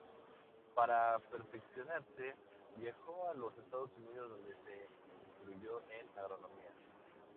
Para perfeccionarse, viajó a los Estados Unidos, donde se instruyó en agronomía.